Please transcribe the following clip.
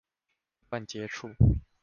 不斷接觸